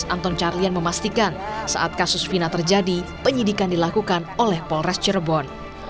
anton carlyan memastikan saat kasus fina terjadi penyidikan dilakukan oleh polres cirebon